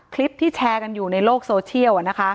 คลิปที่แชร์กันอยู่ในโลกโซเชียล